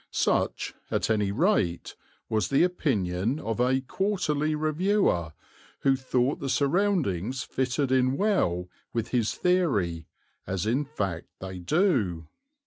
Such, at any rate, was the opinion of a Quarterly Reviewer, who thought the surroundings fitted in well with his theory, as in fact they do.